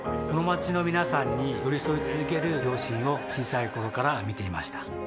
この街の皆さんに寄り添い続ける両親を小さい頃から見ていました